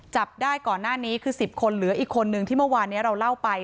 จับได้ก่อนหน้านี้คือ๑๐คนเหลืออีกคนนึงที่เมื่อวานนี้เราเล่าไป